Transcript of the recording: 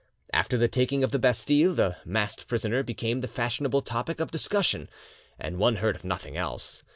After the taking of the Bastille the masked prisoner became the fashionable topic of discussion, and one heard of nothing else.